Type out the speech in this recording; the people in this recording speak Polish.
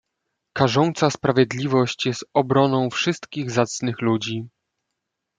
"Karząca sprawiedliwość jest obroną wszystkich zacnych ludzi."